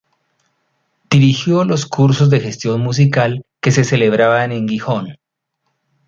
Dirigió los cursos de gestión musical que se celebraban en Gijón.